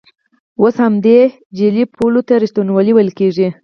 اوس همدې جعلي پولو ته ریښتینولي ویل کېږي.